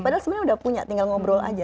padahal sebenarnya udah punya tinggal ngobrol aja